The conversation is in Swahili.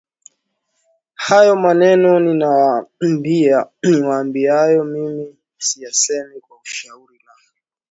Hayo maneno niwaambiayo mimi siyasemi kwa shauri langu